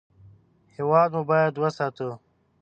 هېواد مو باید وساتو